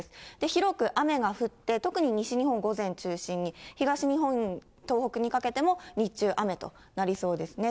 広く雨が降って、特に西日本、午前中心に東日本、東北にかけても、日中雨となりそうですね。